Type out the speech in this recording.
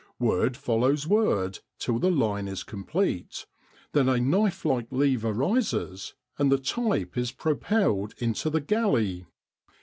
Word follows word till the line is complete; then a knife like lever rises, and the type is propelled into the "galley."